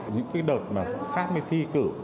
những cái đợt mà sát mới thi cử